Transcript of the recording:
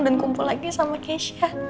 dan kumpul lagi sama keisha